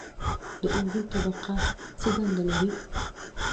د اوزون طبقه څه دنده لري؟